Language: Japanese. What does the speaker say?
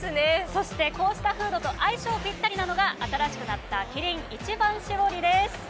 そして、こうしたフードと相性ピッタリなのが新しくなったキリン一番搾りです。